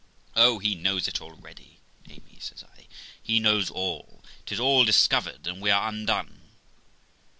'Oh, he knows it already, Amy', says I; 'he knows all! 'Tis all discovered, and we are undone!'